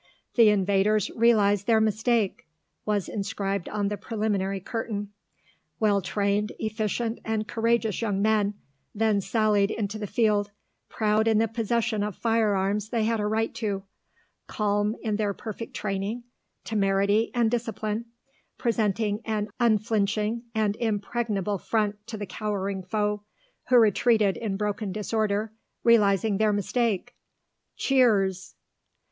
"The Invaders realise their Mistake," was inscribed on the preliminary curtain. Well trained, efficient, and courageous young men then sallied into the field, proud in the possession of fire arms they had a right to, calm in their perfect training, temerity, and discipline, presenting an unflinching and impregnable front to the cowering foe, who retreated in broken disorder, realising their mistake (cheers).